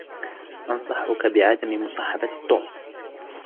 أنصحك بعدم مصاحبة توم.